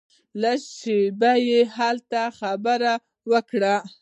لږه شېبه هلته خبرې وکړې.